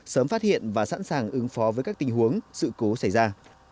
sớm phát hiện và sẵn sàng ứng phó với các tình huống sự cố xảy ra